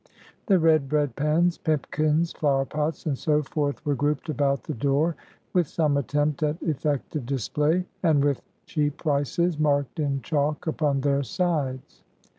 The red bread pans, pipkins, flower pots, and so forth, were grouped about the door with some attempt at effective display, and with cheap prices marked in chalk upon their sides.